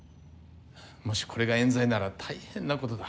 もしこれが冤罪なら大変なことだ。